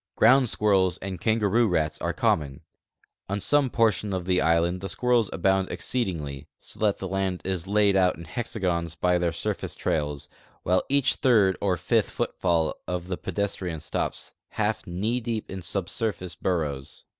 Ground squirrels and kangaroo rats are common. On some ])ortions of the island the squirrels abound exceedingl}^ so that the land is laid out in hexagons by their surface trails, while each third or fifth footfall of the pedestrian stops half knee deep in subsurface burrows.